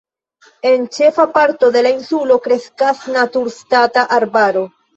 En ĉefa parto de la insulo kreskas naturstata arbaro.